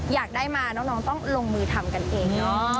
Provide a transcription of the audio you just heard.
อยากได้มาน้องต้องลงมือทำกันเองเนอะ